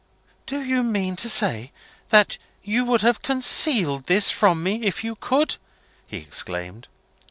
"Do you mean to say that you would have concealed this from me if you could?" he exclaimed.